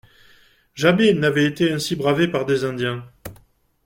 Jamais ils n'avaient été ainsi bravés par des Indiens.